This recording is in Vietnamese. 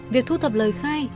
việc thu thập lời khai